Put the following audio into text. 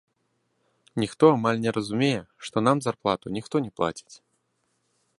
Ніхто амаль не разумее, што нам зарплату ніхто не плаціць.